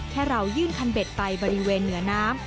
แค่เรายื่นคันเบ็ดไปบริเวณเหนือน้ำ